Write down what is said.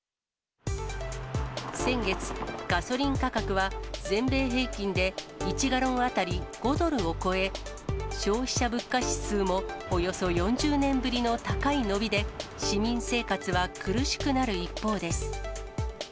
先月、ガソリン価格は全米平均で１ガロン当たり５ドルを超え、消費者物価指数もおよそ４０年ぶりの高い伸びで、市民生活は苦しくなる一方です。